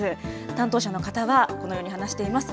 担当者の方はこのように話しています。